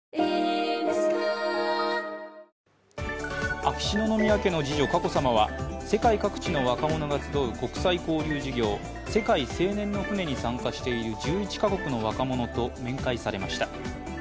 秋篠宮家の次女・佳子さまは世界各地の若者が集う国際交流事業、世界青年の船に参加している１１か国の若者と面会されました。